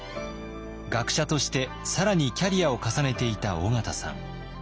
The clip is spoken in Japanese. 学者として更にキャリアを重ねていた緒方さん。